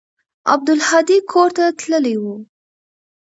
عبدالهادي کور ته تللى و.